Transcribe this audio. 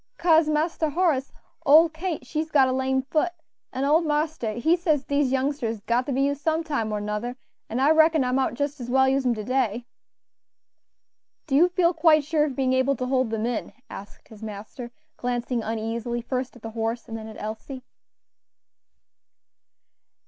"Kase, Marster Horace, ole Kate she's got a lame foot, an' ole marster he says dese youngsters is got to be used some time or nuther, an' I reckoned I mout jis as well use 'em to day." "Do you feel quite sure of being able to hold them in?" asked his master, glancing uneasily first at the horses and then at Elsie.